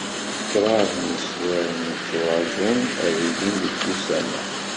Kraḍ n yiswiren i yetturaǧun ad d-ilin deg wussan-a.